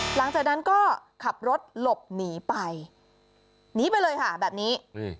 หลังจากนั้นก็ขับรถหลบหนีไปหนีไปเลยค่ะแบบนี้